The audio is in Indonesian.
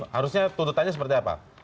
harusnya tuntutannya seperti apa